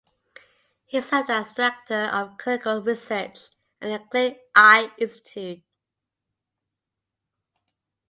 He served as Director of Clinical Research at the Glick Eye Institute.